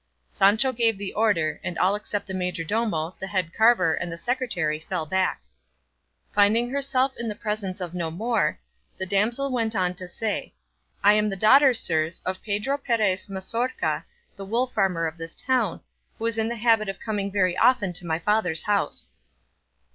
Sancho gave the order, and all except the majordomo, the head carver, and the secretary fell back. Finding herself then in the presence of no more, the damsel went on to say, "I am the daughter, sirs, of Pedro Perez Mazorca, the wool farmer of this town, who is in the habit of coming very often to my father's house."